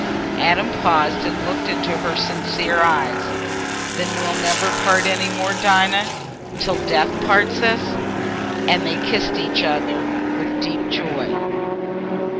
Adam paused and looked into her sincere eyes. "Then we'll never part any more, Dinah, till death parts us." And they kissed each other with a deep joy.